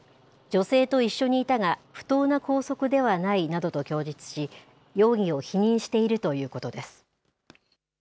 女性と一緒にいたが、不当な拘束ではないなどと供述し、容疑を否認しているということです。